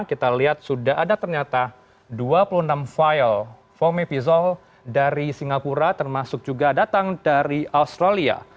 kita lihat sudah ada ternyata dua puluh enam file fomepizol dari singapura termasuk juga datang dari australia